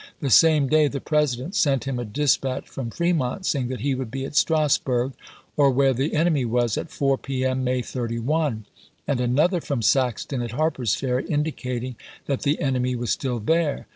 The same day the President sent him a dispatch from Fremont saving that he would be at Strasburg, or where the enemy was, at 4 p. m.. May 31 ; and another from Saxton at Harper's Ferry, indicating that the enemy was still there.